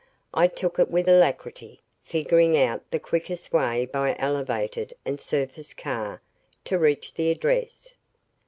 I took it with alacrity, figuring out the quickest way by elevated and surface car to reach the address.